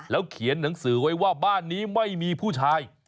เขียนหนังสือไว้ว่าบ้านนี้ไม่มีผู้ชาย